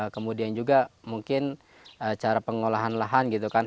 kemudian juga mungkin cara pengolahan lahan gitu kan